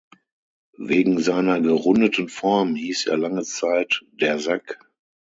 Wegen seiner gerundeten Form hieß er lange Zeit "Der Sack".